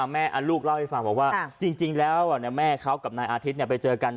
ลูกเล่าให้ฟังบอกว่าจริงแล้วแม่เขากับนายอาทิตย์ไปเจอกัน